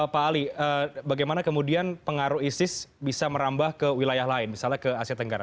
pak ali bagaimana kemudian pengaruh isis bisa merambah ke wilayah lain misalnya ke asia tenggara